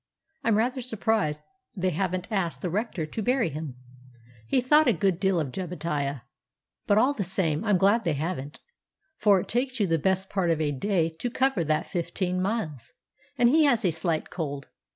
I'm rather surprised they haven't asked the Rector to bury him, he thought a good deal of Zebadiah; but all the same I'm glad they haven't, for it takes you the best part of a day to cover that fifteen miles, and he has a slight cold.